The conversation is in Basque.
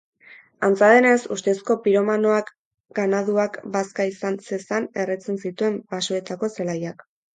Antza denez, ustezko piromanoak ganaduak bazka izan zezan erretzen zituen basoetako zelaiak.